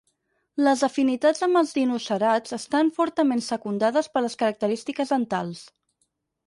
Les afinitats amb els dinocerats estan fortament secundades per les característiques dentals.